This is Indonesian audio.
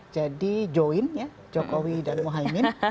jadi join ya jokowi dan muhaymin